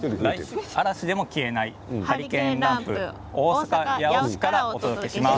嵐でも消えないハリケーンランプ大阪・八尾市からお届けします。